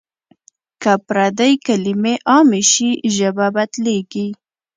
که پردۍ کلمې عامې شي ژبه بدلېږي.